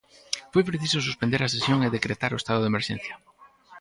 Foi preciso suspender a sesión e decretar o estado de emerxencia.